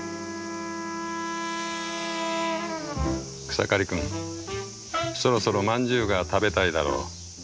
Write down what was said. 「草刈くんそろそろ饅頭が食べたいだろう